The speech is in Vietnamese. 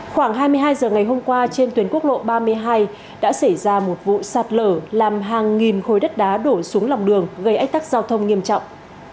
khoảng hai mươi hai h ngày hôm qua trên tuyến quốc lộ ba mươi hai đã xảy ra một vụ sạt lở làm hàng nghìn khối đất đá đổ xuống lòng đường gây ách tắc giao thông nghiêm trọng